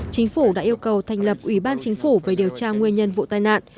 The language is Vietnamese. chính phủ đã yêu cầu thành lập ủy ban chính phủ về điều tra nguyên nhân vụ tai nạn